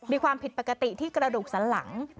มีความผิดปกติที่ปลาดุกสลัง